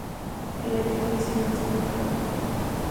El aire acondicionado está apagado.